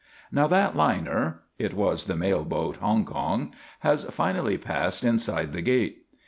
"Now that liner it was the Mail boat Hongkong has finally passed inside the gate.